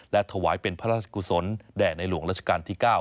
และถวายเป็นพระราชกุศลแด่ในหลวงราชการที่๙